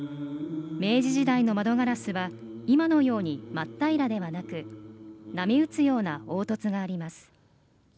明治時代の窓ガラスは今のように真っ平らではなく波打つような凹凸があります。